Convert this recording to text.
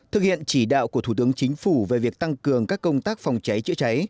thực hiện chỉ đạo của thủ tướng chính phủ về việc tăng cường các công tác phòng cháy chữa cháy